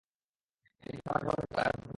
হেরে গেলেও আবার টাকা বানাতে করতে পারবি, সেলভাম।